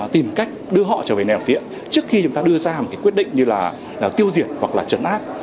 tìm cách đưa họ trở về nẻo tiện trước khi chúng ta đưa ra một cái quyết định như là tiêu diệt hoặc là trấn áp